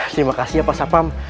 terima kasih ya pak sapam